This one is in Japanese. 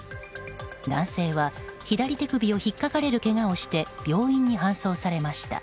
男性は左手首をひっかかれるけがをして病院に搬送されました。